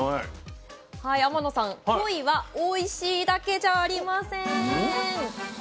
天野さんコイはおいしいだけじゃありません。